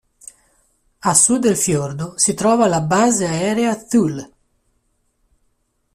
A sud del fiordo si trova la Base Aerea Thule.